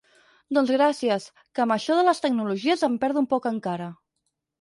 Doncs gràcies, que amb això de les tecnologies em perdo un poc encara.